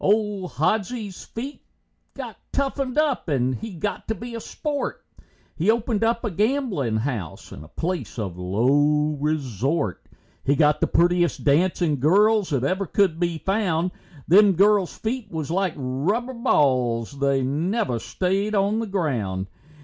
Old Hodsie's feet got toughened up, he got to be a sport, He opened up a gamblin' house and a place of low resort; He got the prettiest dancing girls that ever could be found, Them girls' feet was like rubber balls and they never staid on the ground.